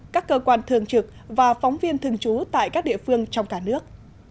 các cơ quan thường trực và phóng viên thường trú tại các địa phương trong cả nước